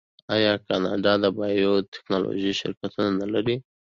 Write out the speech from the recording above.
آیا کاناډا د بایو ټیکنالوژۍ شرکتونه نلري؟